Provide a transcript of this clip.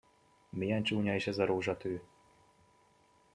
Milyen csúnya is ez a rózsatő!